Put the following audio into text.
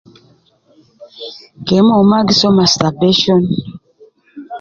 Keemon maa gi so masturbation.